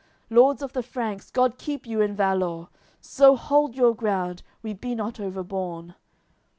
Lords of the Franks, God keep you in valour! So hold your ground, we be not overborne!"